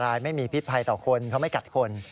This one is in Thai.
รายไม่มีพิษภัยต่อคนเขาไม่กัดคน